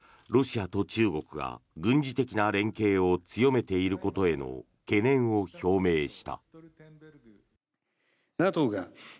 会談後の共同声明ではロシアと中国が軍事的な連携を強めていることへの懸念を表明した。